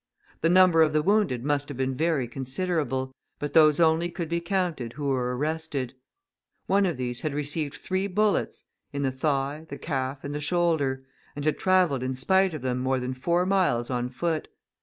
The number of the wounded must have been very considerable, but those only could be counted who were arrested. One of these had received three bullets (in the thigh, the calf, and the shoulder), and had travelled in spite of them more than four miles on foot.